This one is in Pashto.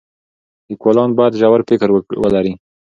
لیکوالان باید ژور فکر ولري.